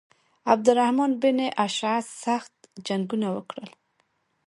عبدالرحمن بن اشعث سخت جنګونه وکړل.